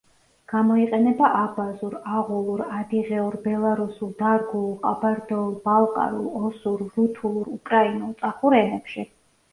გამოიყენება აბაზურ, აღულურ, ადიღეურ, ბელარუსულ, დარგუულ, ყაბარდოულ, ბალყარულ, ოსურ, რუთულურ, უკრაინულ, წახურ ენებში.